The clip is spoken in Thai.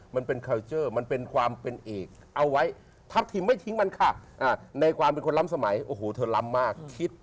มันเป็นคัลเจอร์มันเป็นความเป็นเอก